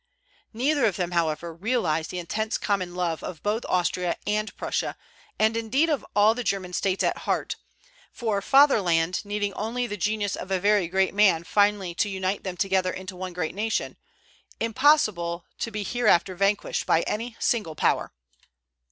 Neither of them, however, realized the intense common love of both Austria and Prussia, and indeed of all the German States at heart, for "Fatherland," needing only the genius of a very great man finally to unite them together in one great nation, impossible to be hereafter vanquished by any single power.